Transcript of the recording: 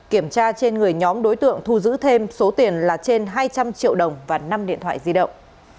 kiểm tra trên người nhóm đối tượng thu giữ thêm số tiền là trên hai trăm linh triệu đồng và năm điện thoại di động